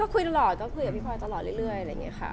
คุยตลอดก็คุยกับพี่พลอยตลอดเรื่อยอะไรอย่างนี้ค่ะ